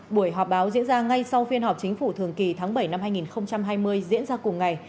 buổi họp báo diễn ra ngay sau phiên họp chính phủ thường kỳ tháng bảy năm hai nghìn hai mươi diễn ra cùng ngày